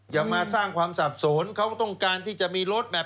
อย่ามาสร้างความสับสนเขาต้องการที่จะมีรถแบบ